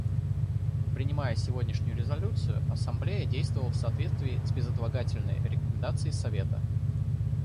Принимая сегодняшнюю резолюцию, Ассамблея действовала в соответствии с безотлагательной рекомендацией Совета.